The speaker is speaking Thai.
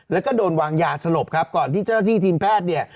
แล้วก็โดนวางหยาสลบก่อนที่เจ้าที่ทีมแพทย์